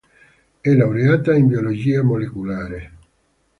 È laureata in biologia molecolare.